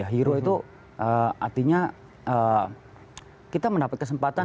hero itu artinya kita mendapat kesempatan